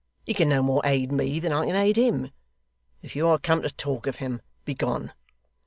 He can no more aid me than I can aid him. If you are come to talk of him, begone!